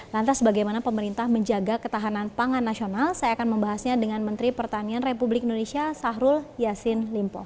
lantas bagaimana pemerintah menjaga ketahanan pangan nasional saya akan membahasnya dengan menteri pertanian republik indonesia sahrul yassin limpo